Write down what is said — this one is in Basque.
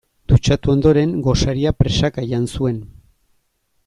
Dutxatu ondoren gosaria presaka jan zuen.